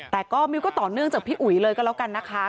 แต่ก็มิวก็ต่อเนื่องจากพี่อุ๋ยเลยก็แล้วกันนะคะ